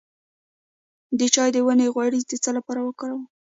د چای د ونې غوړي د څه لپاره وکاروم؟